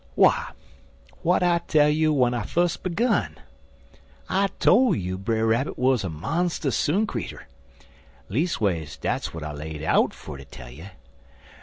"W'at I tell you w'en I fus' begin? I tole you Brer Rabbit wuz a monstus soon creetur; leas'ways dat's w'at I laid out fer ter tell you.